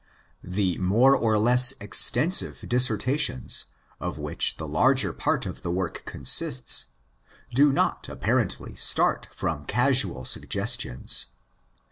The more or less extensive dissertations of which the larger part of the work consists do not apparently start from casual suggestions.